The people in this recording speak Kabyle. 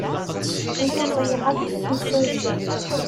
Yuba yeɣra i yimsujji.